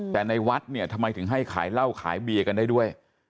แต่ในวัดเนี่ยทำไมถึงให้ขายเหล้าขายเบียร์กันได้ด้วย